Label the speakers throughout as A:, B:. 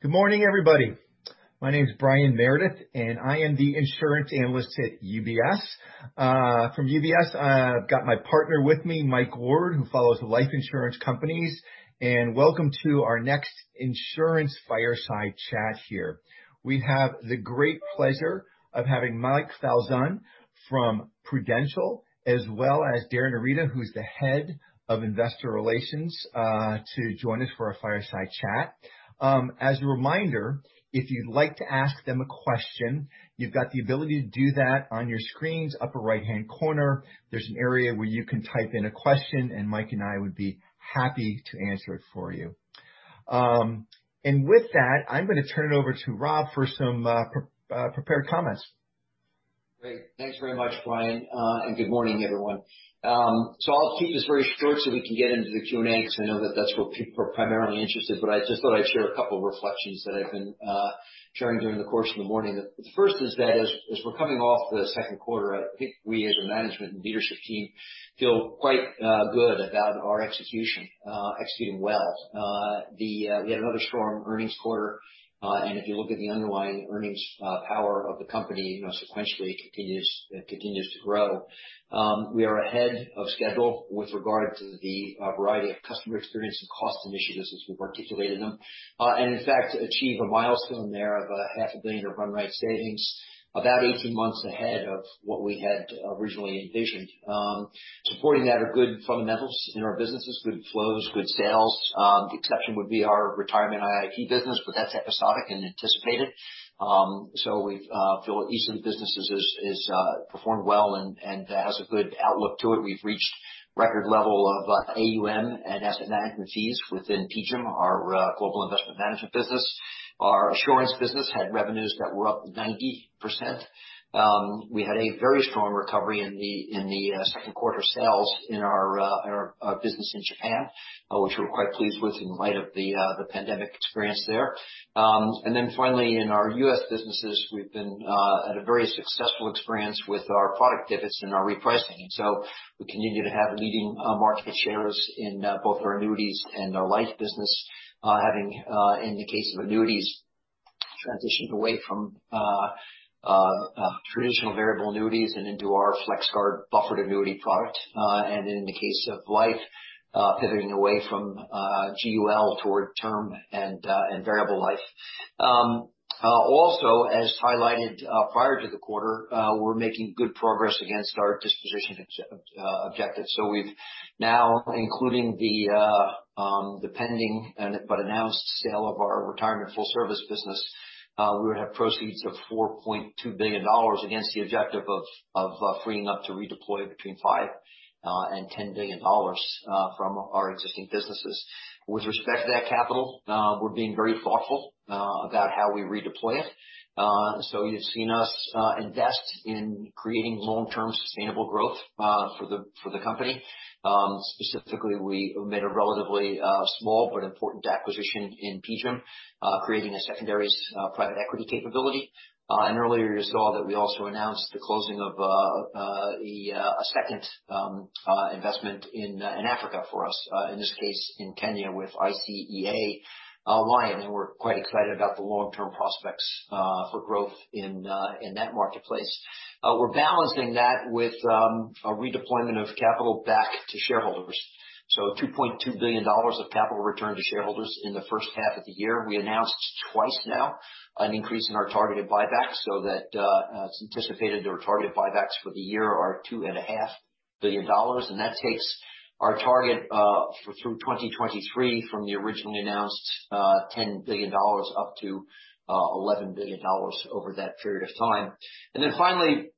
A: Good morning, everybody. My name is Brian Meredith, and I am the insurance analyst at UBS. From UBS, I've got my partner with me, Mike Ward, who follows life insurance companies. Welcome to our next insurance fireside chat here. We have the great pleasure of having Mike Falzon from Prudential, as well as Darin Arita, who's the Head of Investor Relations, to join us for our fireside chat. As a reminder, if you'd like to ask them a question, you've got the ability to do that on your screen's upper right-hand corner. There's an area where you can type in a question, Mike and I would be happy to answer it for you. With that, I'm going to turn it over to Rob for some prepared comments.
B: Great. Thanks very much, Brian. Good morning, everyone. I'll keep this very short so we can get into the Q&A, because I know that that's what people are primarily interested in. I just thought I'd share a couple reflections that I've been sharing during the course of the morning. The first is that as we're coming off the second quarter, I think we as a management and leadership team feel quite good about our execution. Executing well. We had another strong earnings quarter. If you look at the underlying earnings power of the company sequentially, it continues to grow. We are ahead of schedule with regard to the variety of customer experience and cost initiatives as we've articulated them. In fact, achieve a milestone there of a half a billion in run rate savings, about 18 months ahead of what we had originally envisioned. Supporting that are good fundamentals in our businesses, good flows, good sales. The exception would be our retirement IIP business, but that's episodic and anticipated. We feel each of the businesses has performed well and has a good outlook to it. We've reached record level of AUM and asset management fees within PGIM, our global investment management business. Our Assurance business had revenues that were up 90%. We had a very strong recovery in the second quarter sales in our business in Japan, which we're quite pleased with in light of the pandemic experience there. Finally, in our U.S. businesses, we've been at a very successful experience with our product pivots and our repricing. We continue to have leading market shares in both our annuities and our life business, having, in the case of annuities, transitioned away from traditional variable annuities and into our FlexGuard buffered annuity product. In the case of life, pivoting away from GUL toward term and variable life. Also, as highlighted prior to the quarter, we're making good progress against our disposition objectives. We've now, including the pending but announced sale of our retirement full service business, we would have proceeds of $4.2 billion against the objective of freeing up to redeploy between $5 billion and $10 billion from our existing businesses. With respect to that capital, we're being very thoughtful about how we redeploy it. You've seen us invest in creating long-term sustainable growth for the company. Specifically, we made a relatively small but important acquisition in PGIM, creating a secondary private equity capability. Earlier you saw that we also announced the closing of a second investment in Africa for us, in this case, in Kenya with ICEA LION. We're quite excited about the long-term prospects for growth in that marketplace. We're balancing that with a redeployment of capital back to shareholders. So $2.2 billion of capital returned to shareholders in the first half of the year. We announced twice now an increase in our targeted buyback, so that it's anticipated our targeted buybacks for the year are $2.5 billion. That takes our target through 2023 from the originally announced $10 billion up to $11 billion over that period of time. Finally,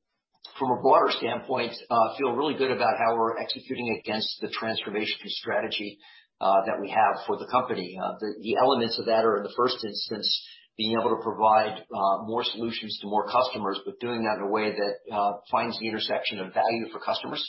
B: from a broader standpoint, I feel really good about how we're executing against the transformational strategy that we have for the company. The elements of that are, in the first instance, being able to provide more solutions to more customers, doing that in a way that finds the intersection of value for customers.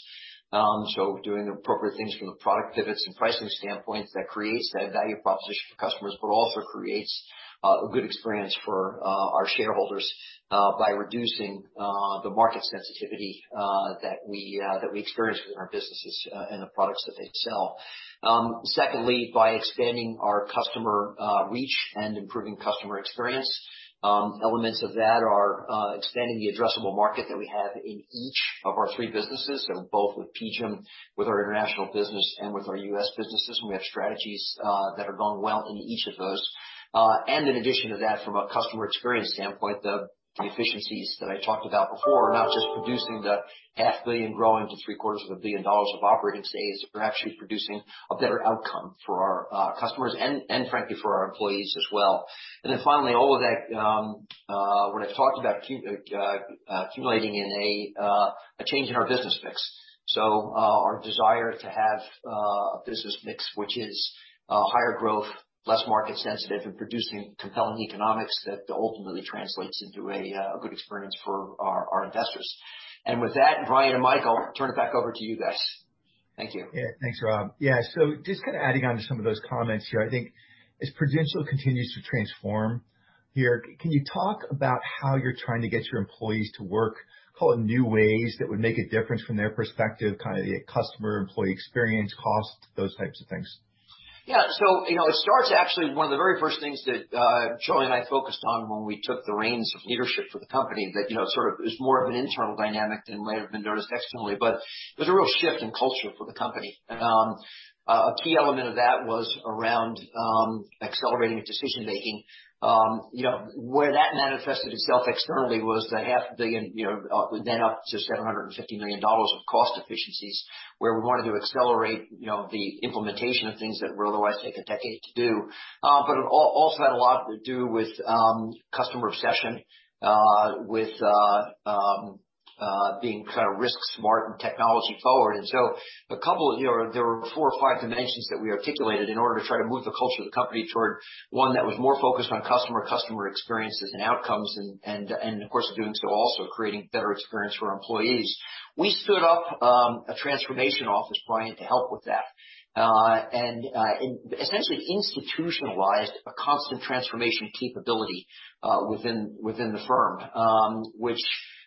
B: Doing the appropriate things from a product pivots and pricing standpoint that creates that value proposition for customers, also creates a good experience for our shareholders by reducing the market sensitivity that we experience within our businesses and the products that they sell. Secondly, by expanding our customer reach and improving customer experience. Elements of that are expanding the addressable market that we have in each of our three businesses, both with PGIM, with our international business, and with our U.S. businesses. We have strategies that are going well in each of those. In addition to that, from a customer experience standpoint, the efficiencies that I talked about before are not just producing the half billion growing to $0.75 billion of operating savings, we're actually producing a better outcome for our customers and frankly, for our employees as well. Finally, all of that, what I've talked about accumulating in a change in our business mix. Our desire to have a business mix, which is higher growth, less market sensitive, and producing compelling economics that ultimately translates into a good experience for our investors. With that, Brian and Mike, I'll turn it back over to you guys. Thank you.
A: Thanks, Rob. Just kind of adding on to some of those comments here, I think as Prudential continues to transform, can you talk about how you're trying to get your employees to work, call it new ways that would make a difference from their perspective, kind of the customer employee experience cost, those types of things?
B: It starts, actually, one of the very first things that Charlie and I focused on when we took the reins of leadership for the company that is more of an internal dynamic than might have been noticed externally, but there's a real shift in culture for the company. A key element of that was around accelerating decision-making. Where that manifested itself externally was the half a billion, then up to $750 million of cost efficiencies, where we wanted to accelerate the implementation of things that would otherwise take a decade to do. It also had a lot to do with customer obsession, with being kind of risk-smart and technology forward. There were four or five dimensions that we articulated in order to try to move the culture of the company toward one that was more focused on customer experiences and outcomes and, of course, in doing so, also creating better experience for our employees. We stood up a transformation office, Brian, to help with that. Essentially institutionalized a constant transformation capability within the firm, which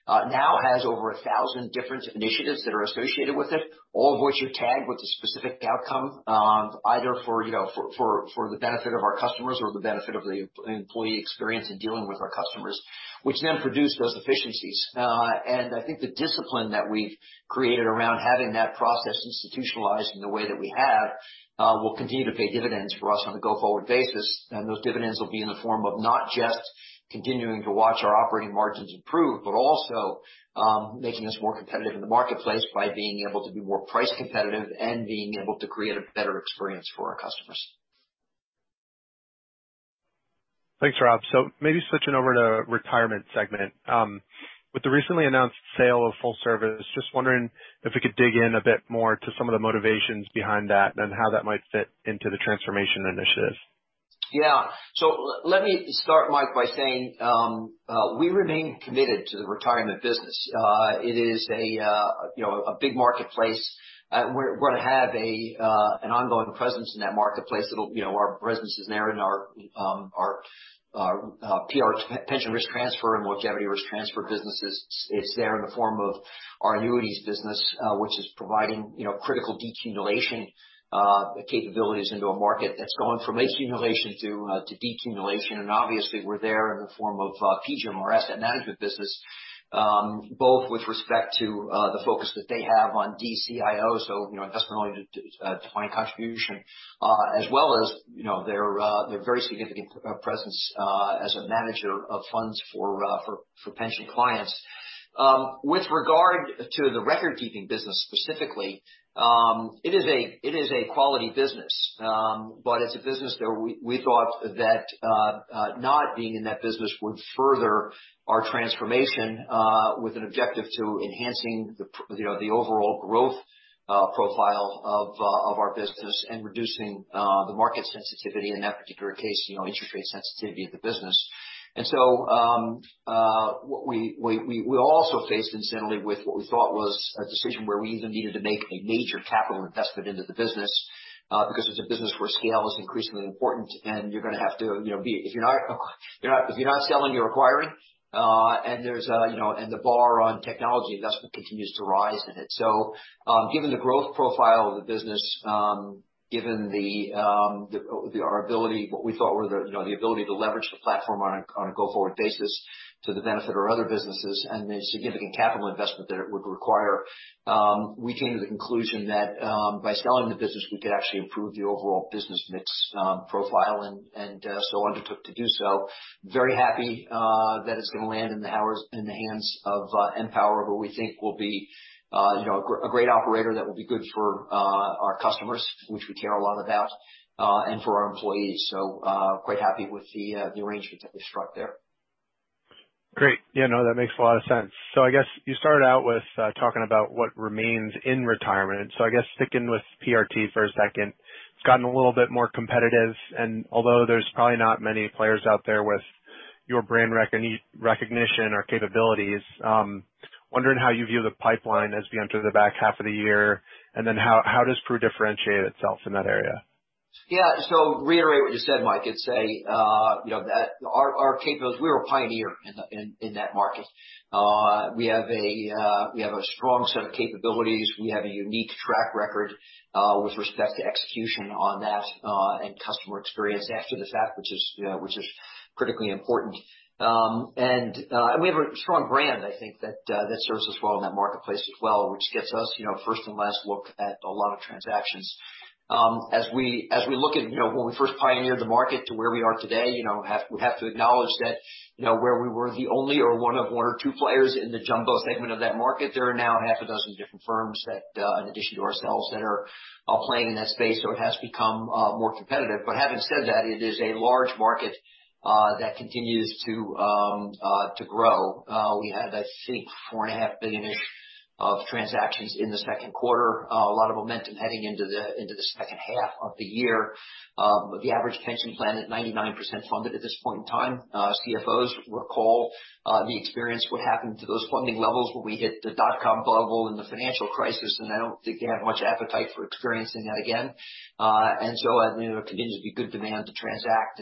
B: now has over 1,000 different initiatives that are associated with it, all of which are tagged with a specific outcome, either for the benefit of our customers or the benefit of the employee experience in dealing with our customers, which then produce those efficiencies. I think the discipline that we've created around having that process institutionalized in the way that we have, will continue to pay dividends for us on a go-forward basis. Those dividends will be in the form of not just continuing to watch our operating margins improve, but also making us more competitive in the marketplace by being able to be more price competitive and being able to create a better experience for our customers.
C: Thanks, Rob. Maybe switching over to retirement segment. With the recently announced sale of full service, just wondering if we could dig in a bit more to some of the motivations behind that and how that might fit into the Transformation Initiative.
B: Let me start, Mike, by saying, we remain committed to the retirement business. It is a big marketplace. We're going to have an ongoing presence in that marketplace. Our presence is there in our PRT pension risk transfer and longevity risk transfer businesses. It's there in the form of our annuities business, which is providing critical decumulation capabilities into a market that's going from accumulation to decumulation. Obviously, we're there in the form of PGIM, our asset management business, both with respect to the focus that they have on DCIO, so investment-only defined contribution, as well as their very significant presence as a manager of funds for pension clients. With regard to the record-keeping business specifically, it is a quality business. It's a business that we thought that not being in that business would further our transformation, with an objective to enhancing the overall growth profile of our business and reducing the market sensitivity, in that particular case, interest rate sensitivity of the business. We also faced incidentally with what we thought was a decision where we even needed to make a major capital investment into the business, because it's a business where scale is increasingly important and if you're not selling, you're acquiring, and the bar on technology investment continues to rise in it. Given the growth profile of the business, given what we thought were the ability to leverage the platform on a go-forward basis to the benefit of our other businesses and the significant capital investment that it would require, we came to the conclusion that by selling the business, we could actually improve the overall business mix profile and undertook to do so. Very happy that it's going to land in the hands of Empower, who we think will be a great operator that will be good for our customers, which we care a lot about, and for our employees. Quite happy with the arrangement that we struck there.
C: Great. Yeah, no, that makes a lot of sense. I guess you started out with talking about what remains in retirement. I guess sticking with PRT for a second, it's gotten a little bit more competitive, and although there's probably not many players out there with your brand recognition or capabilities, wondering how you view the pipeline as we enter the back half of the year, and then how does Pru differentiate itself in that area?
B: Reiterate what you said, Mike, it's our capabilities, we're a pioneer in that market. We have a strong set of capabilities. We have a unique track record with respect to execution on that, and customer experience after the fact, which is critically important. We have a strong brand, I think, that serves us well in that marketplace as well, which gets us first and last look at a lot of transactions. As we look at when we first pioneered the market to where we are today, we have to acknowledge that where we were the only or one or two players in the jumbo segment of that market, there are now half a dozen different firms that in addition to ourselves that are playing in that space. It has become more competitive. Having said that, it is a large market that continues to grow. We had, I think, $4.5 billion-ish of transactions in the second quarter. A lot of momentum heading into the second half of the year. With the average pension plan at 99% funded at this point in time. CFOs recall the experience what happened to those funding levels where we hit the dot-com bubble and the financial crisis, I don't think they have much appetite for experiencing that again. It continues to be good demand to transact.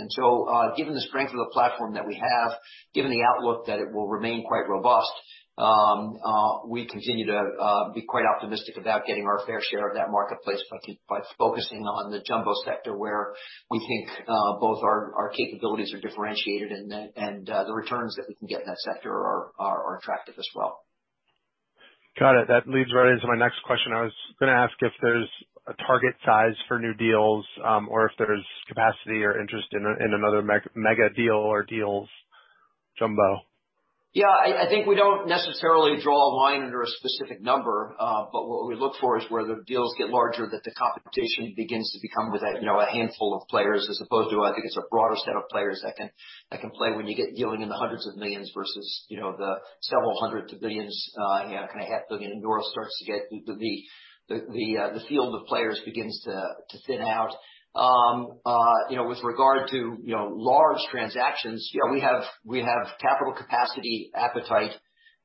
B: Given the strength of the platform that we have, given the outlook that it will remain quite robust, we continue to be quite optimistic about getting our fair share of that marketplace by focusing on the jumbo sector where we think both our capabilities are differentiated and the returns that we can get in that sector are attractive as well.
C: Got it. That leads right into my next question. I was going to ask if there's a target size for new deals, or if there's capacity or interest in another mega deal or deals jumbo.
B: I think we don't necessarily draw a line under a specific number. What we look for is where the deals get larger, that the competition begins to become with a handful of players as opposed to, I think it's a broader set of players that can play when you get dealing in the hundreds of millions versus the several hundred to billions, kind of half billion where it starts to get the field of players begins to thin out. With regard to large transactions, we have capital capacity appetite,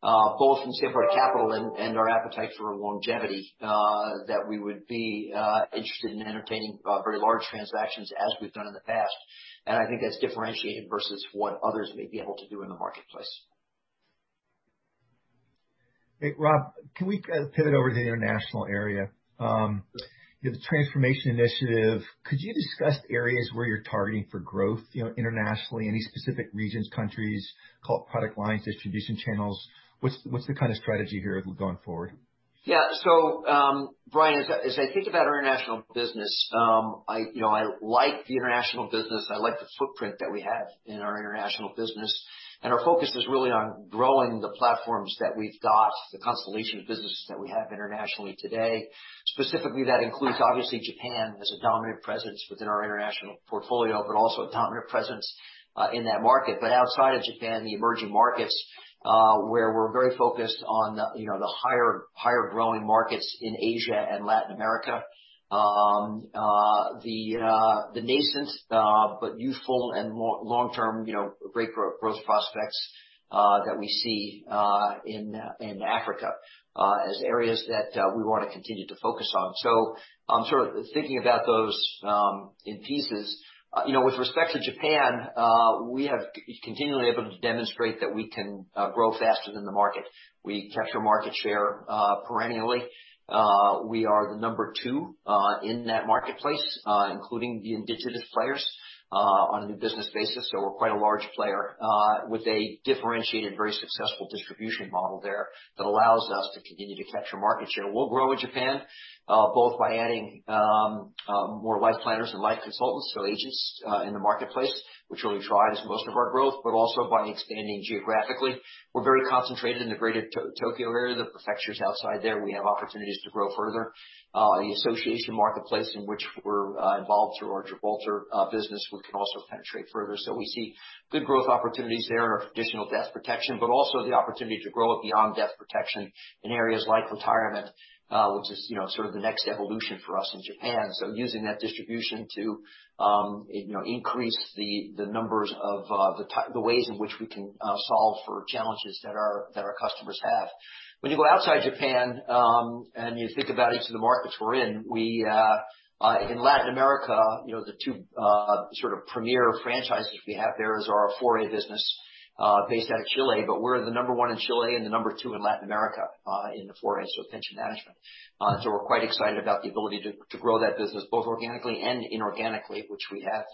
B: both from standpoint of capital and our appetite for longevity, that we would be interested in entertaining very large transactions as we've done in the past. I think that's differentiated versus what others may be able to do in the marketplace.
A: Hey, Rob, can we pivot over to the international area? The transformation initiative, could you discuss areas where you're targeting for growth internationally? Any specific regions, countries, product lines, distribution channels? What's the kind of strategy here going forward?
B: Brian, as I think about our international business, I like the international business. I like the footprint that we have in our international business. Our focus is really on growing the platforms that we've got, the constellation of businesses that we have internationally today. Specifically, that includes, obviously, Japan as a dominant presence within our international portfolio, but also a dominant presence in that market. Outside of Japan, the emerging markets, where we're very focused on the higher growing markets in Asia and Latin America. The nascent, but youthful and long-term great growth prospects that we see in Africa as areas that we want to continue to focus on. I'm sort of thinking about those in pieces. With respect to Japan, we have continually able to demonstrate that we can grow faster than the market. We capture market share perennially. We are the number 2 in that marketplace, including the indigenous players on a new business basis. We're quite a large player with a differentiated, very successful distribution model there that allows us to continue to capture market share. We'll grow in Japan, both by adding more life planners and life consultants, so agents in the marketplace, which really drives most of our growth, but also by expanding geographically. We're very concentrated in the greater Tokyo area, the prefectures outside there. We have opportunities to grow further. The association marketplace in which we're involved through our Gibraltar business, we can also penetrate further. We see good growth opportunities there in our traditional death protection, but also the opportunity to grow beyond death protection in areas like retirement, which is sort of the next evolution for us in Japan. Using that distribution to increase the numbers of the ways in which we can solve for challenges that our customers have. When you go outside Japan, and you think about each of the markets we're in Latin America, the two sort of premier franchises we have there is our AFP business, based out of Chile, but we're the number one in Chile and the number two in Latin America, in the AFP, so pension management. We're quite excited about the ability to grow that business, both organically and inorganically, which we have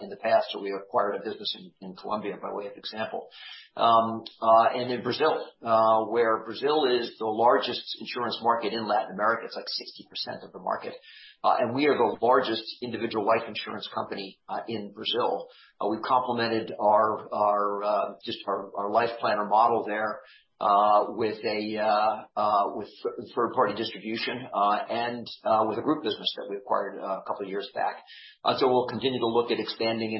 B: in the past, where we acquired a business in Colombia by way of example. And in Brazil, where Brazil is the largest insurance market in Latin America, it's like 60% of the market. And we are the largest individual life insurance company in Brazil. We've complemented just our life planner model there with third party distribution, and with a group business that we acquired a couple of years back. We'll continue to look at expanding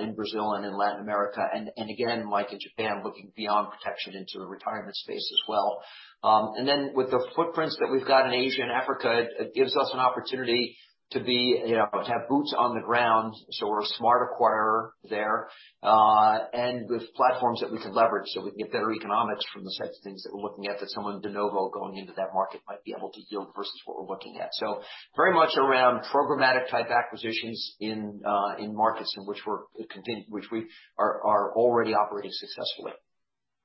B: in Brazil and in Latin America, and again, like in Japan, looking beyond protection into the retirement space as well. And then with the footprints that we've got in Asia and Africa, it gives us an opportunity to have boots on the ground, so we're a smart acquirer there. And with platforms that we can leverage so we can get better economics from the sets of things that we're looking at that someone de novo going into that market might be able to yield versus what we're looking at. Very much around programmatic type acquisitions in markets in which we are already operating successfully.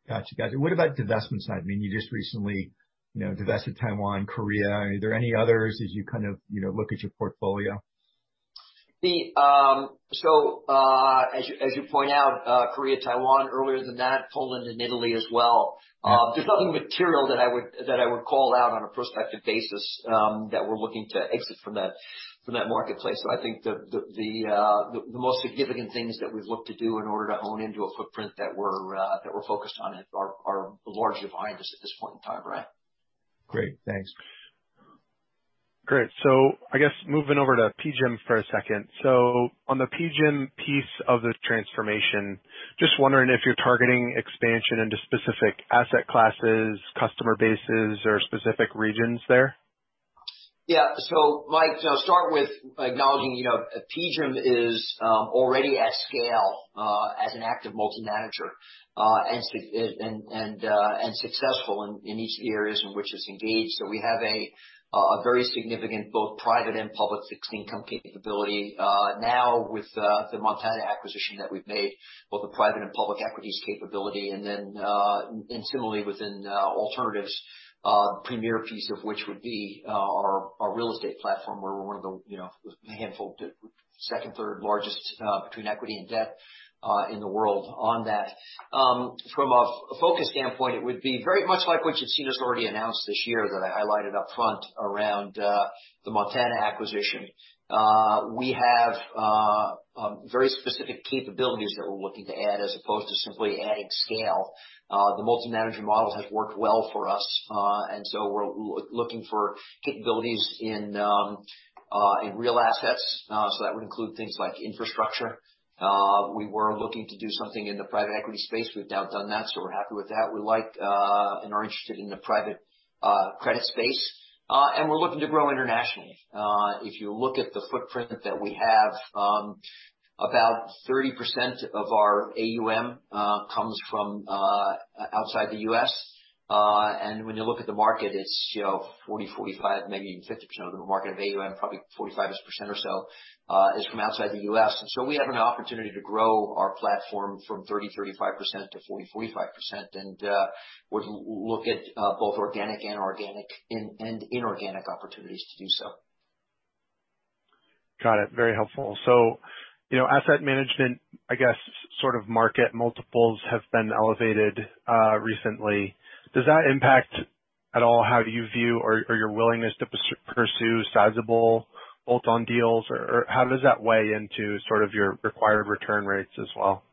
A: Got you. What about divestment side? I mean, you just recently divested Taiwan, Korea. Are there any others as you kind of look at your portfolio?
B: As you point out, Korea, Taiwan, earlier than that, Poland and Italy as well. There's nothing material that I would call out on a prospective basis that we're looking to exit from that marketplace. I think the most significant things that we've looked to do in order to hone into a footprint that we're focused on are largely behind us at this point in time, Brian.
A: Great. Thanks.
C: Great. I guess moving over to PGIM for a second. On the PGIM piece of the transformation, just wondering if you're targeting expansion into specific asset classes, customer bases, or specific regions there.
B: Yeah. Mike, to start with acknowledging, PGIM is already at scale as an active multi-manager, and successful in each of the areas in which it's engaged. We have a very significant both private and public fixed income capability. Now with the Montana acquisition that we've made, both the private and public equities capability, and then similarly within alternatives, premier piece of which would be our real estate platform, where we're one of the handful, second, third largest between equity and debt, in the world on that. From a focus standpoint, it would be very much like what you've seen us already announce this year that I highlighted up front around the Montana acquisition. We have very specific capabilities that we're looking to add as opposed to simply adding scale. The multi-manager model has worked well for us. We're looking for capabilities in real assets. That would include things like infrastructure. We were looking to do something in the private equity space. We've now done that, so we're happy with that. We like, and are interested in the private credit space. We're looking to grow internationally. If you look at the footprint that we have, about 30% of our AUM, comes from outside the U.S. When you look at the market, it's 40%, 45%, maybe even 50% of the market of AUM, probably 45% or so, is from outside the U.S. We have an opportunity to grow our platform from 30%, 35% to 40%, 45%. We look at both organic and inorganic opportunities to do so.
C: Got it. Very helpful. Asset management, I guess, sort of market multiples have been elevated recently. Does that impact at all how you view or your willingness to pursue sizable bolt-on deals, or how does that weigh into sort of your required return rates as well?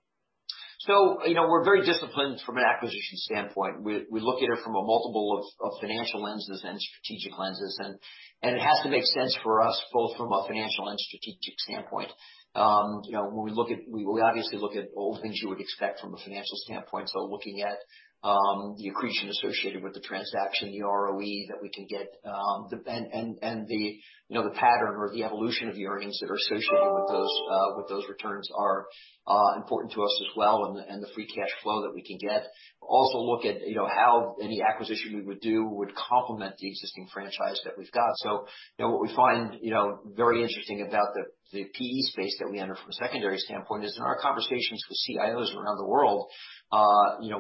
B: We're very disciplined from an acquisition standpoint. We look at it from a multiple of financial lenses and strategic lenses, it has to make sense for us both from a financial and strategic standpoint. We obviously look at all the things you would expect from a financial standpoint. Looking at the accretion associated with the transaction, the ROE that we can get, and the pattern or the evolution of the earnings that are associated with those returns are important to us as well. The free cash flow that we can get. Also look at how any acquisition we would do would complement the existing franchise that we've got. What we find very interesting about the PE space that we enter from a secondary standpoint is in our conversations with CIOs around the world,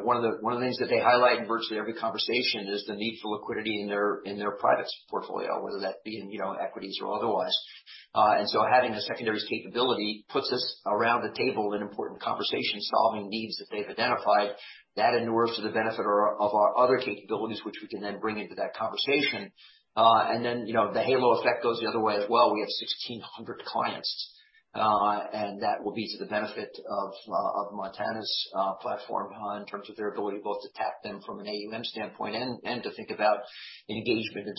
B: one of the things that they highlight in virtually every conversation is the need for liquidity in their privates portfolio, whether that be in equities or otherwise. Having a secondaries capability puts us around the table in important conversations solving needs that they've identified. That inures to the benefit of our other capabilities, which we can then bring into that conversation. Then, the halo effect goes the other way as well. We have 1,600 clients. That will be to the benefit of Montana's platform in terms of their ability both to tap them from an AUM standpoint and to think about engagement in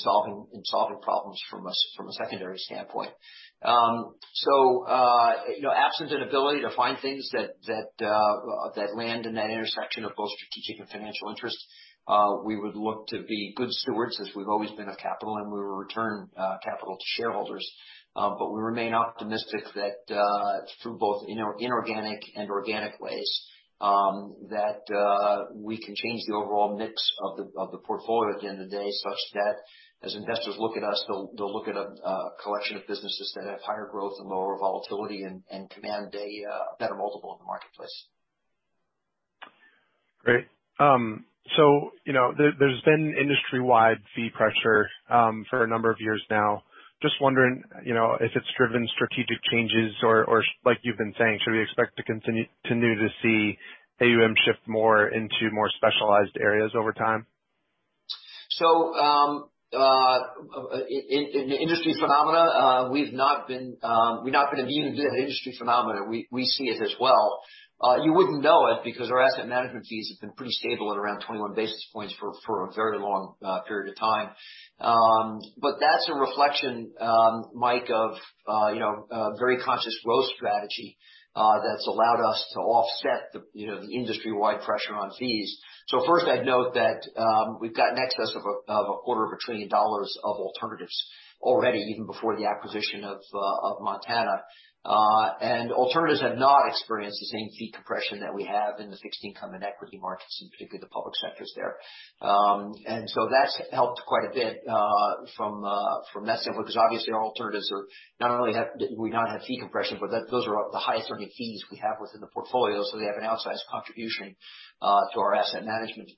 B: solving problems from a secondary standpoint. Absent an ability to find things that land in that intersection of both strategic and financial interest, we would look to be good stewards as we've always been of capital, we will return capital to shareholders. We remain optimistic that through both inorganic and organic ways, that we can change the overall mix of the portfolio at the end of the day, such that as investors look at us, they'll look at a collection of businesses that have higher growth and lower volatility and command a better multiple in the marketplace.
C: Great. There's been industry-wide fee pressure for a number of years now. Just wondering if it's driven strategic changes or like you've been saying, should we expect to continue to see AUM shift more into more specialized areas over time?
B: In the industry phenomena, we've not been immune to the industry phenomena. We see it as well. You wouldn't know it because our asset management fees have been pretty stable at around 21 basis points for a very long period of time. That's a reflection, Mike, of a very conscious growth strategy that's allowed us to offset the industry-wide pressure on fees. First I'd note that we've got an excess of a quarter of a trillion dollars of alternatives already, even before the acquisition of Montana. Alternatives have not experienced the same fee compression that we have in the fixed income and equity markets, and particularly the public sectors there. That's helped quite a bit from that standpoint, because obviously our alternatives we not have fee compression, but those are the highest earning fees we have within the portfolio. They have an outsized contribution to our asset management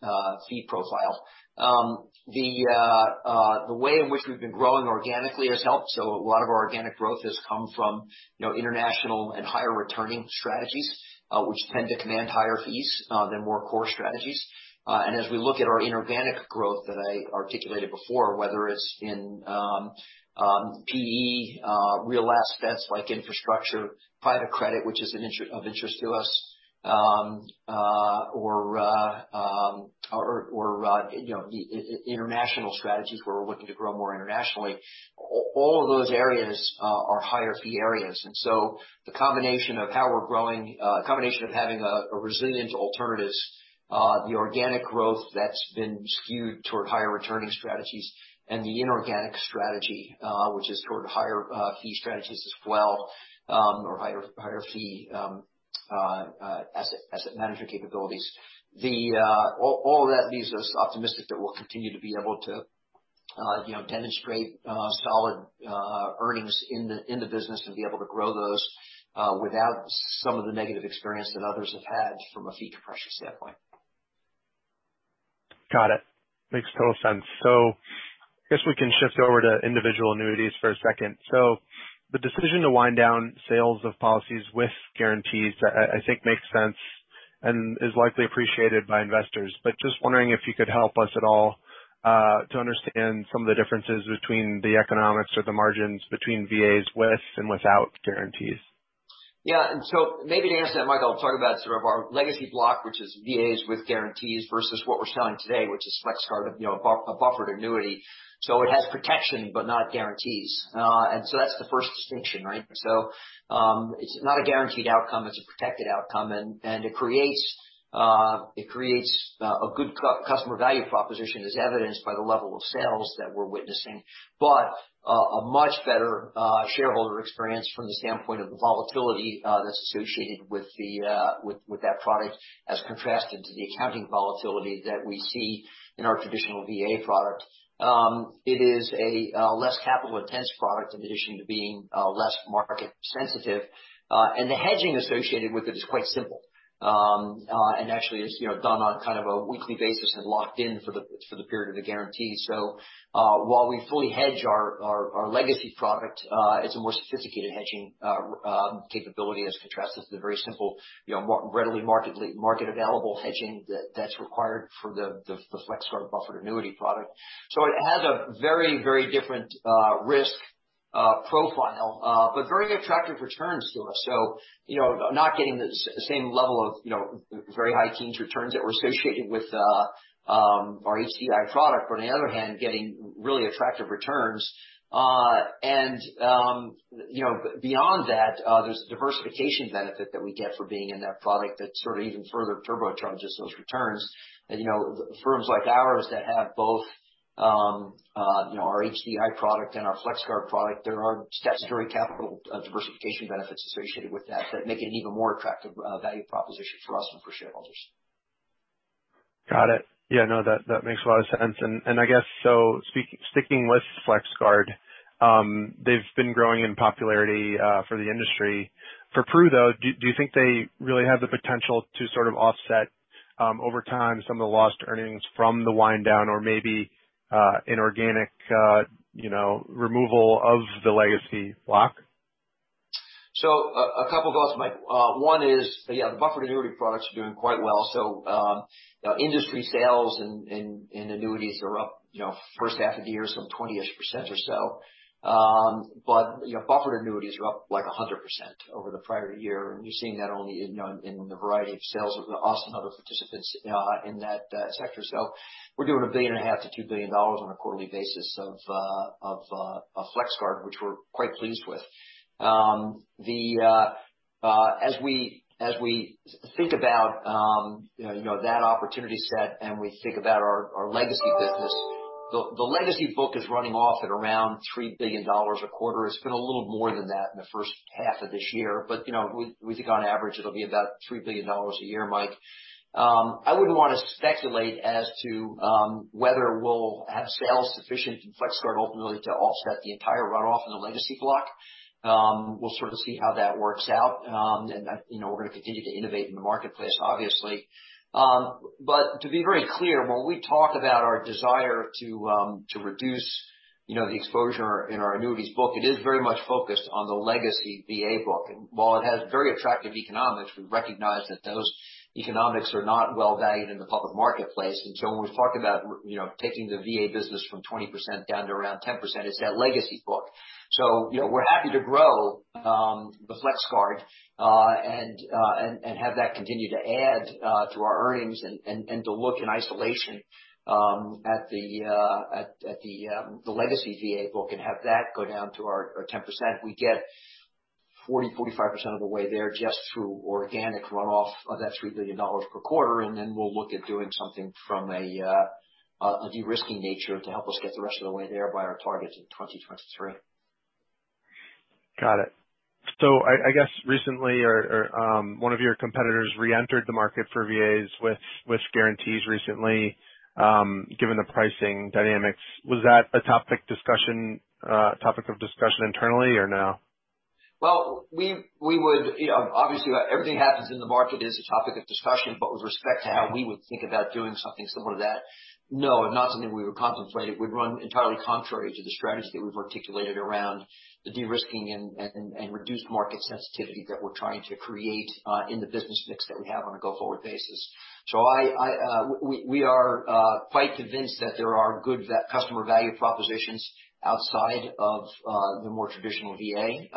B: fee profile. The way in which we've been growing organically has helped. A lot of our organic growth has come from international and higher returning strategies, which tend to command higher fees than more core strategies. As we look at our inorganic growth that I articulated before, whether it's in PE, real assets like infrastructure, private credit, which is of interest to us, or international strategies where we're looking to grow more internationally. All of those areas are higher fee areas. The combination of how we're growing, a combination of having a resilient alternatives, the organic growth that's been skewed toward higher returning strategies and the inorganic strategy, which is toward higher fee strategies as well, or higher fee asset management capabilities. All of that leaves us optimistic that we'll continue to be able to demonstrate solid earnings in the business and be able to grow those without some of the negative experience that others have had from a fee compression standpoint.
C: Got it. Makes total sense. I guess we can shift over to individual annuities for a second. The decision to wind down sales of policies with guarantees, I think makes sense and is likely appreciated by investors. Just wondering if you could help us at all, to understand some of the differences between the economics or the margins between VAs with and without guarantees.
B: Yeah. Maybe to answer that, Mike, I'll talk about sort of our legacy block, which is VAs with guarantees, versus what we're selling today, which is FlexGuard, a buffered annuity. It has protection but not guarantees. That's the first distinction, right? It's not a guaranteed outcome, it's a protected outcome, and it creates a good customer value proposition as evidenced by the level of sales that we're witnessing. A much better shareholder experience from the standpoint of the volatility that's associated with that product as contrasted to the accounting volatility that we see in our traditional VA product. It is a less capital intense product in addition to being less market sensitive. The hedging associated with it is quite simple. Actually is done on kind of a weekly basis and locked in for the period of the guarantee. While we fully hedge our legacy product, it's a more sophisticated hedging capability as contrasted to the very simple, readily market available hedging that's required for the FlexGuard buffered annuity product. It has a very different risk profile, but very attractive returns to us. Not getting the same level of very high teens returns that were associated with our HDI product, but on the other hand, getting really attractive returns. Beyond that, there's a diversification benefit that we get for being in that product that sort of even further turbocharges those returns. Firms like ours that have both our HDI product and our FlexGuard product, there are statutory capital diversification benefits associated with that make it an even more attractive value proposition for us and for shareholders.
C: Got it. Yeah, no, that makes a lot of sense. I guess sticking with FlexGuard, they've been growing in popularity for the industry. For Pru, though, do you think they really have the potential to sort of offset, over time, some of the lost earnings from the wind down or maybe inorganic removal of the legacy block?
B: A couple of thoughts, Mike. One is, yeah, the buffered annuity products are doing quite well. Industry sales in annuities are up first half of the year, some 20-ish% or so. Buffered annuities are up like 100% over the prior year. You're seeing that only in the variety of sales of other participants in that sector. We're doing $1.5 billion to $2 billion on a quarterly basis of FlexGuard, which we're quite pleased with. As we think about that opportunity set and we think about our legacy business, the legacy book is running off at around $3 billion a quarter. It's been a little more than that in the first half of this year, but we think on average it'll be about $3 billion a year, Mike. I wouldn't want to speculate as to whether we'll have sales sufficient in FlexGuard ultimately to offset the entire runoff in the legacy block. We'll sort of see how that works out. We're going to continue to innovate in the marketplace, obviously. To be very clear, when we talk about our desire to reduce the exposure in our annuities book, it is very much focused on the legacy VA book. While it has very attractive economics, we recognize that those economics are not well valued in the public marketplace. When we talk about taking the VA business from 20% down to around 10%, it's that legacy book. We're happy to grow the FlexGuard, and have that continue to add to our earnings and to look in isolation at the legacy VA book and have that go down to our 10%. We get 40, 45% of the way there just through organic runoff of that $3 billion per quarter. We'll look at doing something from a de-risking nature to help us get the rest of the way there by our targets in 2023.
C: Got it. I guess recently one of your competitors reentered the market for VAs with guarantees recently. Given the pricing dynamics, was that a topic of discussion internally or no?
B: Obviously everything that happens in the market is a topic of discussion, with respect to how we would think about doing something similar to that, no, not something we would contemplate. It would run entirely contrary to the strategy that we've articulated around the de-risking and reduced market sensitivity that we're trying to create in the business mix that we have on a go-forward basis. We are quite convinced that there are good customer value propositions outside of the more traditional VA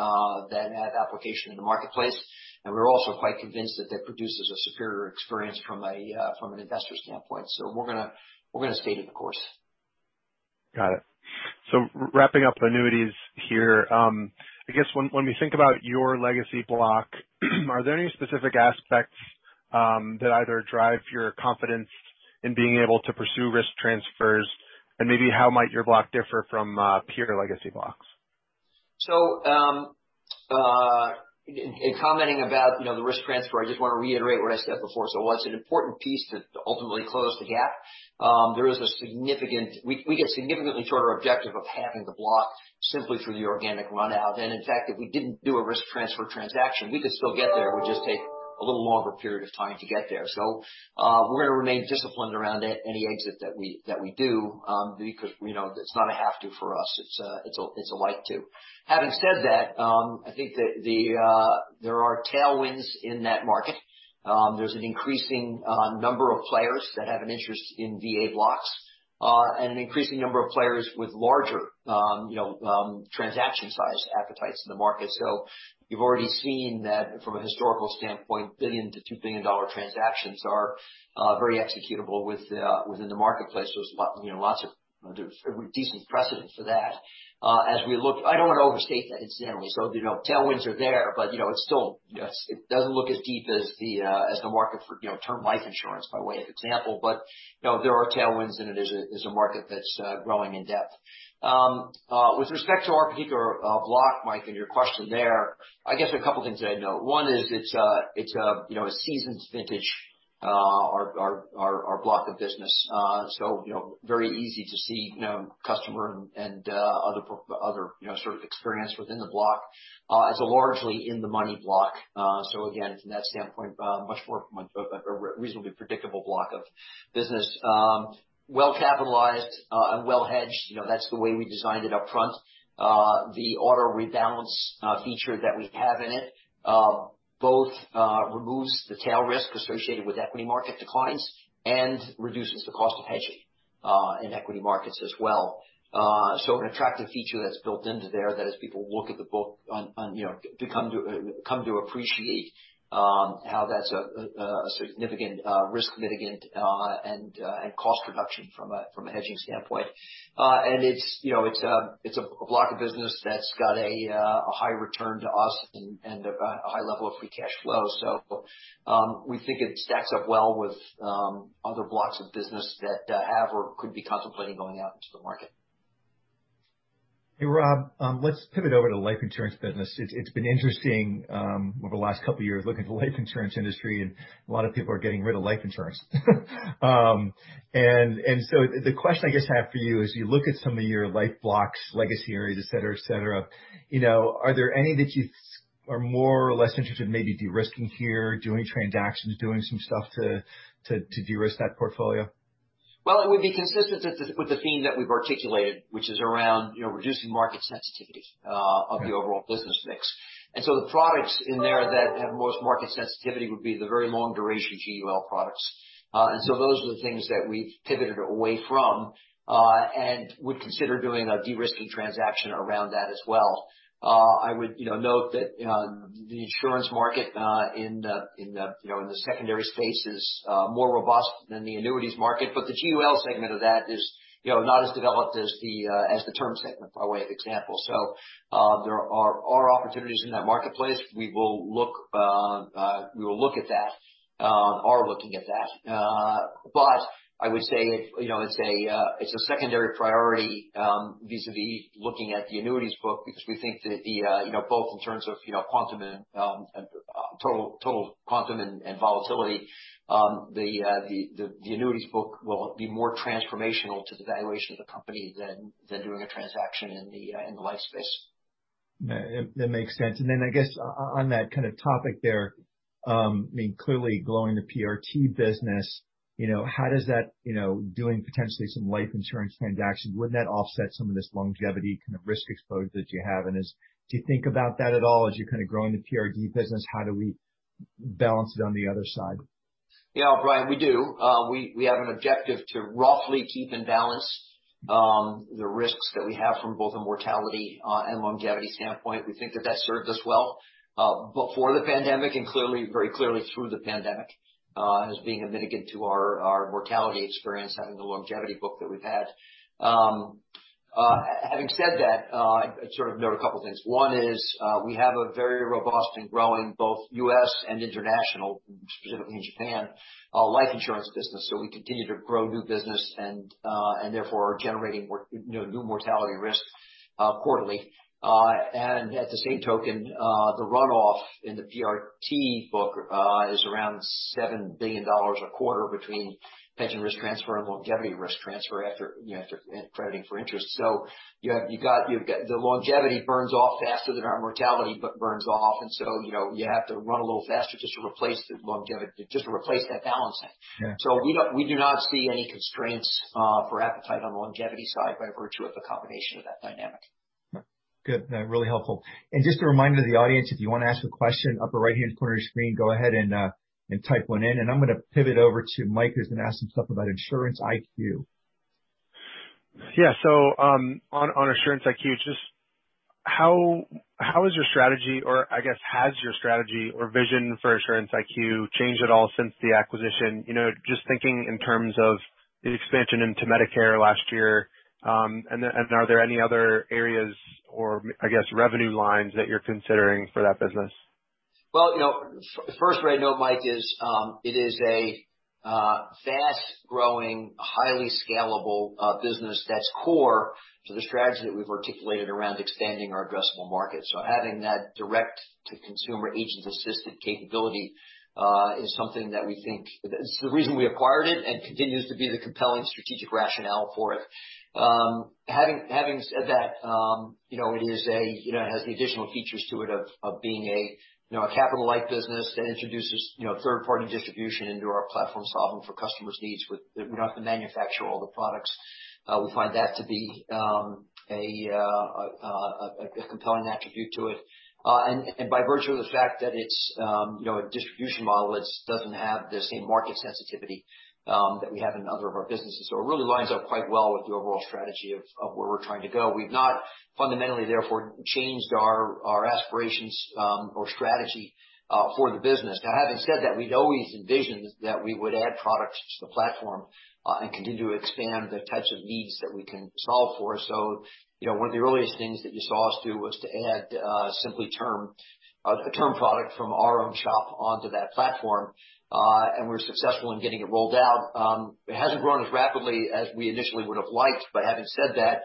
B: that have application in the marketplace. We're also quite convinced that that produces a superior experience from an investor standpoint. We're going to stay the course.
C: Got it. Wrapping up annuities here. I guess when we think about your legacy block, are there any specific aspects that either drive your confidence in being able to pursue risk transfers? Maybe how might your block differ from peer legacy blocks?
B: In commenting about the risk transfer, I just want to reiterate what I said before. While it's an important piece to ultimately close the gap, we get significantly shorter objective of halving the block simply through the organic run out. In fact, if we didn't do a risk transfer transaction, we could still get there. It would just take a little longer period of time to get there. We're going to remain disciplined around any exit that we do, because it's not a have to for us, it's a like to. Having said that, I think that there are tailwinds in that market. There's an increasing number of players that have an interest in VA blocks, and an increasing number of players with larger transaction size appetites in the market. You've already seen that from a historical standpoint, $1 billion-$2 billion transactions are very executable within the marketplace. There's decent precedent for that. I don't want to overstate that incidentally. Tailwinds are there, it doesn't look as deep as the market for term life insurance, by way of example. There are tailwinds and it is a market that's growing in depth. With respect to our particular block, Mike, and your question there, I guess a couple things I'd note. One is it's a seasoned vintage, our block of business. Very easy to see customer and other sort of experience within the block. It's a largely in-the-money block. Again, from that standpoint, a reasonably predictable block of business. Well capitalized and well hedged. That's the way we designed it up front. The auto rebalance feature that we have in it both removes the tail risk associated with equity market declines and reduces the cost of hedging in equity markets as well. An attractive feature that's built into there that as people look at the book come to appreciate how that's a significant risk mitigant and cost reduction from a hedging standpoint. It's a block of business that's got a high return to us and a high level of free cash flow. We think it stacks up well with other blocks of business that have or could be contemplating going out into the market.
A: Hey, Rob, let's pivot over to life insurance business. It's been interesting over the last couple of years looking at the life insurance industry, a lot of people are getting rid of life insurance. The question I guess I have for you is, you look at some of your life blocks, legacy areas, et cetera. Are there any that you are more or less interested in maybe de-risking here, doing transactions, doing some stuff to de-risk that portfolio?
B: Well, it would be consistent with the theme that we've articulated, which is around reducing market sensitivity of the overall business mix. The products in there that have the most market sensitivity would be the very long duration GUL products. Those are the things that we pivoted away from, and would consider doing a de-risking transaction around that as well. I would note that the insurance market in the secondary space is more robust than the annuities market, but the GUL segment of that is not as developed as the term segment, by way of example. There are opportunities in that marketplace. We will look at that. Are looking at that. I would say it's a secondary priority vis-a-vis looking at the annuities book because we think that both in terms of total quantum and volatility, the annuities book will be more transformational to the valuation of the company than doing a transaction in the life space.
A: That makes sense. Then I guess on that kind of topic there, clearly growing the PRT business, doing potentially some life insurance transactions, wouldn't that offset some of this longevity kind of risk exposure that you have? Do you think about that at all as you're kind of growing the PRT business? How do we balance it on the other side?
B: Yeah. Brian, we do. We have an objective to roughly keep in balance the risks that we have from both a mortality and longevity standpoint. We think that that served us well before the pandemic and very clearly through the pandemic, as being a mitigant to our mortality experience, having the longevity book that we've had. Having said that, I'd sort of note a couple of things. One is, we have a very robust and growing both U.S. and international, specifically in Japan, life insurance business. We continue to grow new business and therefore are generating new mortality risk quarterly. At the same token, the runoff in the PRT book is around $7 billion a quarter between pension risk transfer and longevity risk transfer after crediting for interest. You've got the longevity burns off faster than our mortality burns off. You have to run a little faster just to replace that balancing.
A: Yeah.
B: We do not see any constraints for appetite on the longevity side by virtue of the combination of that dynamic.
A: Good. Really helpful. Just a reminder to the audience, if you want to ask a question, upper right-hand corner of your screen, go ahead and type one in. I'm going to pivot over to Mike, who's going to ask some stuff about Assurance IQ.
C: On Assurance IQ, just has your strategy or vision for Assurance IQ changed at all since the acquisition? Just thinking in terms of the expansion into Medicare last year. Are there any other areas or revenue lines that you're considering for that business?
B: First where I know, Mike, it is a fast-growing, highly scalable business that's core to the strategy that we've articulated around expanding our addressable market. Having that direct-to-consumer agent-assisted capability is the reason we acquired it and continues to be the compelling strategic rationale for it. Having said that, it has the additional features to it of being a capital-light business that introduces third-party distribution into our platform, solving for customers' needs. We don't have to manufacture all the products. We find that to be a compelling attribute to it. By virtue of the fact that it's a distribution model, it doesn't have the same market sensitivity that we have in other of our businesses. It really lines up quite well with the overall strategy of where we're trying to go. We've not fundamentally, therefore, changed our aspirations or strategy for the business. Having said that, we'd always envisioned that we would add products to the platform and continue to expand the types of needs that we can solve for. One of the earliest things that you saw us do was to add SimplyTerm, a term product from our own shop onto that platform, and we're successful in getting it rolled out. It hasn't grown as rapidly as we initially would have liked, but having said that,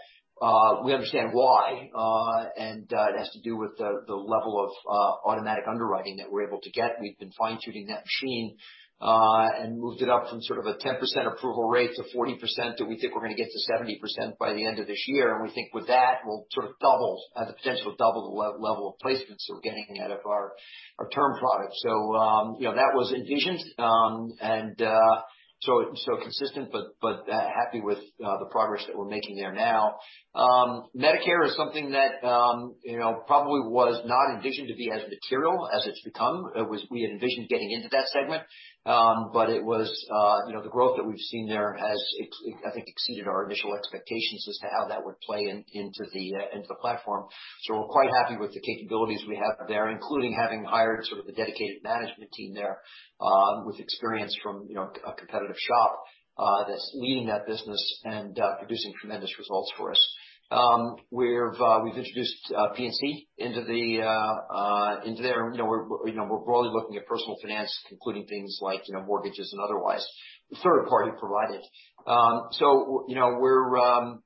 B: we understand why, and it has to do with the level of automatic underwriting that we're able to get. We've been fine-tuning that machine and moved it up from sort of a 10% approval rate to 40%, and we think we're going to get to 70% by the end of this year. We think with that, we'll sort of have the potential to double the level of placements that we're getting out of our SimplyTerm product. That was envisioned and so consistent, but happy with the progress that we're making there now. Medicare is something that probably was not envisioned to be as material as it's become. We had envisioned getting into that segment, the growth that we've seen there has, I think, exceeded our initial expectations as to how that would play into the platform. We're quite happy with the capabilities we have there, including having hired sort of a dedicated management team there with experience from a competitive shop that's leading that business and producing tremendous results for us. We've introduced P&C into there. We're broadly looking at personal finance, including things like mortgages and otherwise, third party provided. We're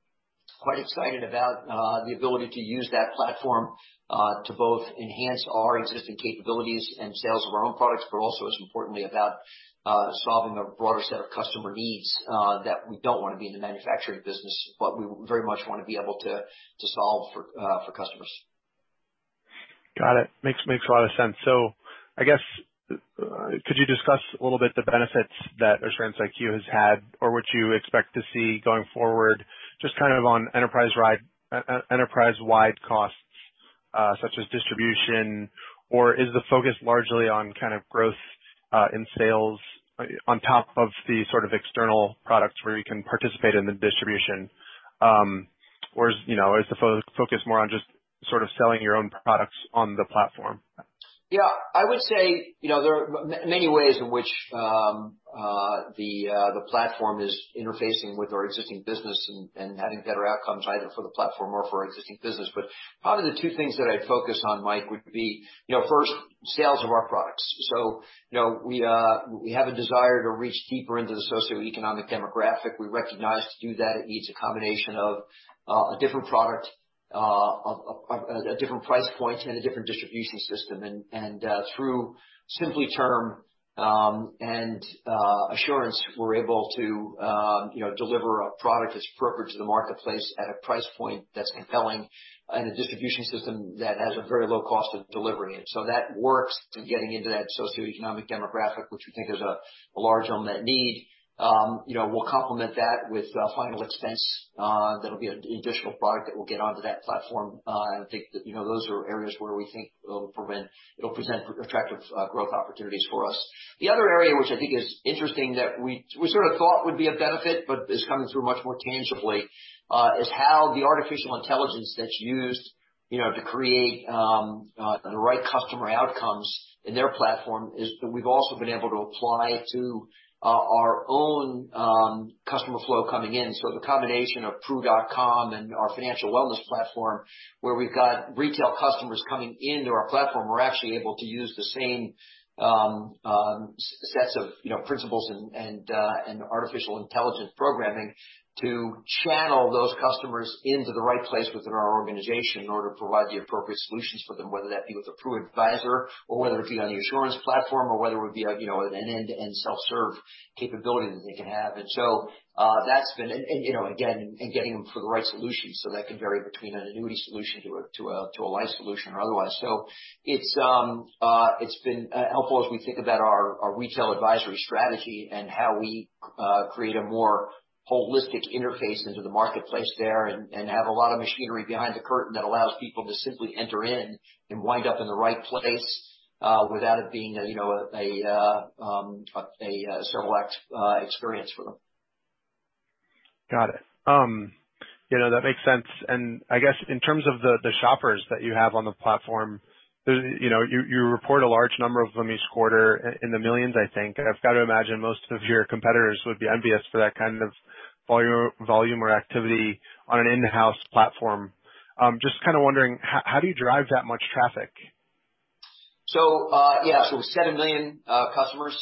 B: quite excited about the ability to use that platform to both enhance our existing capabilities and sales of our own products, but also, as importantly, about solving a broader set of customer needs that we don't want to be in the manufacturing business, but we very much want to be able to solve for customers.
C: Got it. Makes a lot of sense. Could you discuss a little bit the benefits that Assurance IQ has had or what you expect to see going forward, just kind of on enterprise-wide costs such as distribution? Is the focus largely on kind of growth in sales on top of the sort of external products where you can participate in the distribution? Is the focus more on just sort of selling your own products on the platform?
B: I would say there are many ways in which the platform is interfacing with our existing business and having better outcomes, either for the platform or for our existing business. Probably the two things that I'd focus on, Mike, would be, first, sales of our products. We have a desire to reach deeper into the socioeconomic demographic. We recognize to do that it needs a combination of a different product, a different price point, and a different distribution system. Through SimplyTerm and Assurance, we're able to deliver a product that's appropriate to the marketplace at a price point that's compelling and a distribution system that has a very low cost of delivering it. That works to getting into that socioeconomic demographic, which we think is a large unmet need. We'll complement that with Final Expense. That'll be an additional product that we'll get onto that platform. I think that those are areas where we think it'll present attractive growth opportunities for us. The other area, which I think is interesting, that we sort of thought would be a benefit, but is coming through much more tangibly, is how the artificial intelligence that's used to create the right customer outcomes in their platform is that we've also been able to apply to our own customer flow coming in. The combination of prudential.com and our financial wellness platform, where we've got retail customers coming into our platform, we're actually able to use the same sets of principles and artificial intelligence programming to channel those customers into the right place within our organization in order to provide the appropriate solutions for them, whether that be with a Pru advisor or whether it be on the Assurance platform or whether it would be an end-to-end self-serve capability that they can have. Again, getting them for the right solution. That can vary between an annuity solution to a life solution or otherwise. It's been helpful as we think about our retail advisory strategy and how we create a more holistic interface into the marketplace there and have a lot of machinery behind the curtain that allows people to simply enter in and wind up in the right place without it being a surreal experience for them.
C: Got it. That makes sense. I guess in terms of the shoppers that you have on the platform, you report a large number of them each quarter in the millions, I think. I've got to imagine most of your competitors would be envious for volume or activity on an in-house platform. Just kind of wondering, how do you drive that much traffic?
B: Yeah. 7 million customers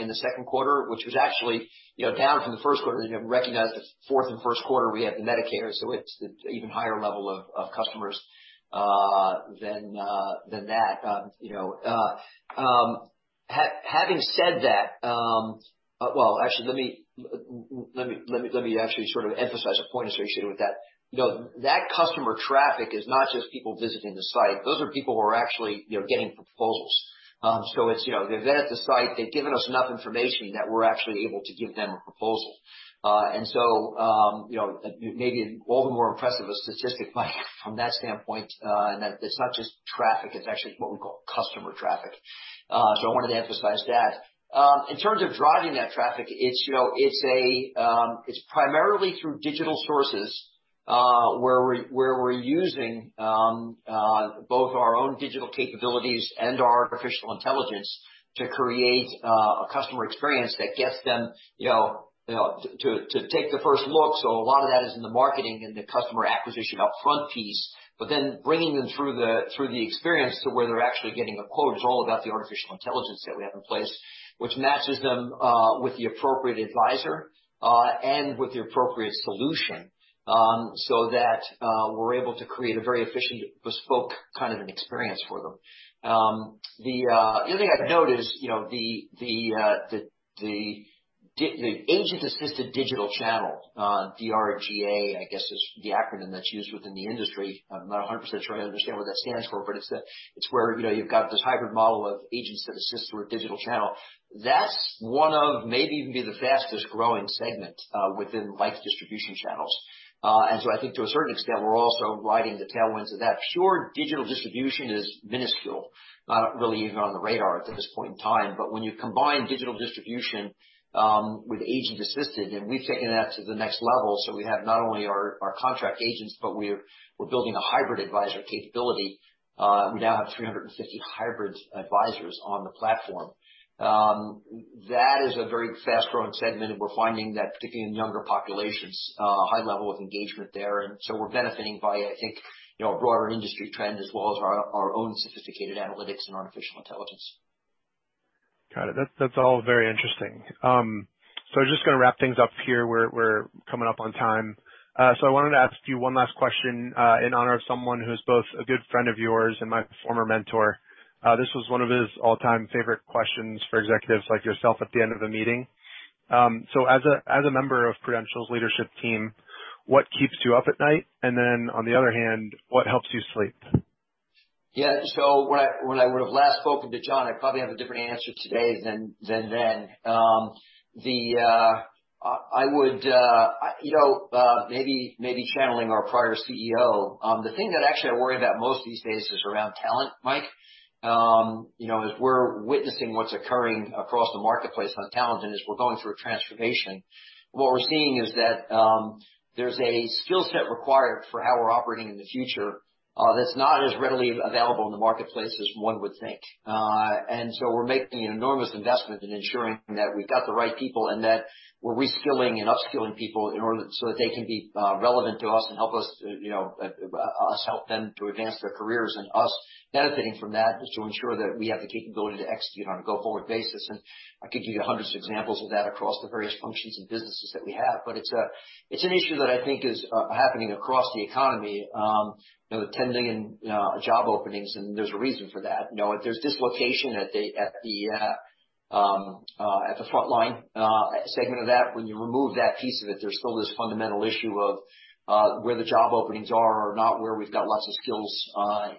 B: in the second quarter, which was actually down from the first quarter. You recognize the fourth and first quarter, we had the Medicare, so it's even higher level of customers than that. Having said that, actually, let me actually sort of emphasize a point associated with that. That customer traffic is not just people visiting the site. Those are people who are actually getting proposals. They've been at the site, they've given us enough information that we're actually able to give them a proposal. Maybe all the more impressive a statistic might be from that standpoint, in that it's not just traffic, it's actually what we call customer traffic. I wanted to emphasize that. In terms of driving that traffic, it's primarily through digital sources, where we're using both our own digital capabilities and our artificial intelligence to create a customer experience that gets them to take the first look. A lot of that is in the marketing and the customer acquisition upfront piece. Bringing them through the experience to where they're actually getting a quote is all about the artificial intelligence that we have in place, which matches them with the appropriate advisor, and with the appropriate solution, so that we're able to create a very efficient bespoke kind of an experience for them. The other thing I'd note is, the agent-assisted digital channel, DGA, I guess, is the acronym that's used within the industry. I'm not 100% sure I understand what that stands for, but it's where you've got this hybrid model of agents that assist through a digital channel. That's one of maybe even be the fastest-growing segment within life distribution channels. I think to a certain extent, we're also riding the tailwinds of that. Pure digital distribution is minuscule, not really even on the radar at this point in time. When you combine digital distribution with agent-assisted, and we've taken that to the next level, so we have not only our contract agents, but we're building a hybrid advisor capability. We now have 350 hybrid advisors on the platform. That is a very fast-growing segment, and we're finding that particularly in younger populations, a high level of engagement there. We're benefiting by, I think, a broader industry trend as well as our own sophisticated analytics and artificial intelligence.
C: Got it. That's all very interesting. I'm just going to wrap things up here. We're coming up on time. I wanted to ask you one last question, in honor of someone who's both a good friend of yours and my former mentor. This was one of his all-time favorite questions for executives like yourself at the end of a meeting. As a member of Prudential's leadership team, what keeps you up at night? On the other hand, what helps you sleep?
B: Yeah. When I would have last spoken to John, I'd probably have a different answer today than then. Maybe channeling our prior CEO, the thing that actually I worry about most these days is around talent, Mike. As we're witnessing what's occurring across the marketplace on talent, as we're going through a transformation, what we're seeing is that there's a skill set required for how we're operating in the future that's not as readily available in the marketplace as one would think. We're making an enormous investment in ensuring that we've got the right people and that we're reskilling and upskilling people so that they can be relevant to us and us help them to advance their careers. Us benefiting from that is to ensure that we have the capability to execute on a go-forward basis. I could give you hundreds of examples of that across the various functions and businesses that we have. It's an issue that I think is happening across the economy. The 10 million job openings, there's a reason for that. There's dislocation at the front line segment of that. When you remove that piece of it, there's still this fundamental issue of where the job openings are or not, where we've got lots of skills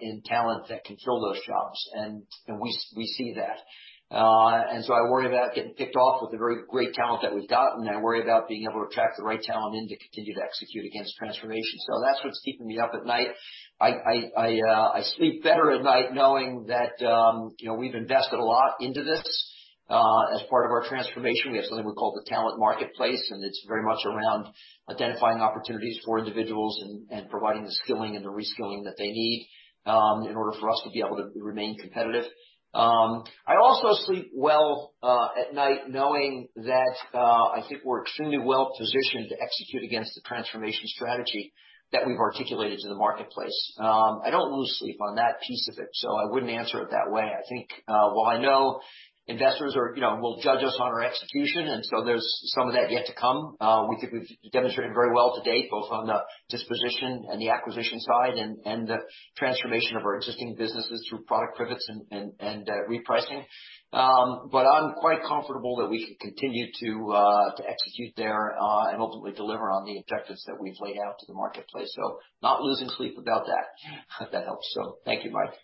B: and talent that can fill those jobs. We see that. I worry about getting ticked off with the very great talent that we've got, I worry about being able to attract the right talent in to continue to execute against transformation. That's what's keeping me up at night. I sleep better at night knowing that we've invested a lot into this. As part of our transformation, we have something we call the Talent Marketplace, it's very much around identifying opportunities for individuals and providing the skilling and the reskilling that they need in order for us to be able to remain competitive. I also sleep well at night knowing that I think we're extremely well-positioned to execute against the transformation strategy that we've articulated to the marketplace. I don't lose sleep on that piece of it, I wouldn't answer it that way. I think while I know investors will judge us on our execution, there's some of that yet to come. We think we've demonstrated very well to date, both on the disposition and the acquisition side and the transformation of our existing businesses through product pivots and repricing. I'm quite comfortable that we can continue to execute there, and ultimately deliver on the objectives that we've laid out to the marketplace. Not losing sleep about that. That helps. Thank you, Mike.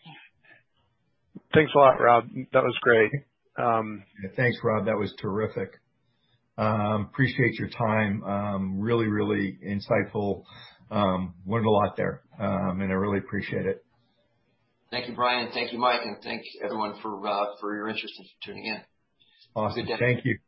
C: Thanks a lot, Rob. That was great.
A: Thanks, Rob. That was terrific. Appreciate your time. Really, really insightful. Learned a lot there. I really appreciate it.
B: Thank you, Brian. Thank you, Mike, and thank everyone for your interest and for tuning in.
A: Awesome. Thank you.
B: Okay.